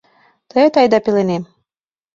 Тыят айда пеленем.